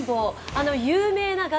あの有名な崖